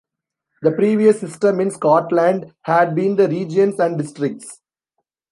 The previous system in Scotland had been the regions and districts.